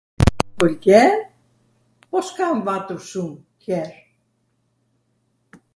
mw pwlqen, po s'kam vatur shum her.